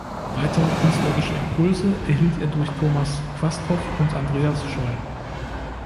Weitere künstlerische Impulse erhielt er durch Thomas Quasthoff und Andreas Scholl.